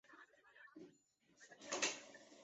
现代的流式细胞仪很多应用在荧光标记上。